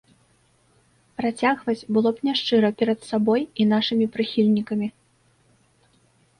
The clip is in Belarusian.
Працягваць было б няшчыра перад сабой і нашымі прыхільнікамі.